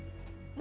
何？